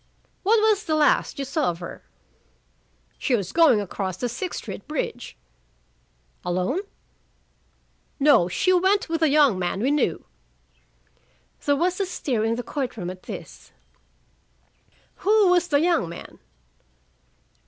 "What was the last you saw of her?" "She was going across the Sixth Street bridge." "Alone?" "No. She went with a young man we knew." There was a stir in the court room at this. "Who was the young man?"